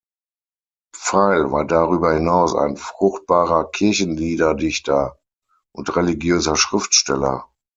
Pfeil war darüber hinaus ein fruchtbarer Kirchenliederdichter und religiöser Schriftsteller.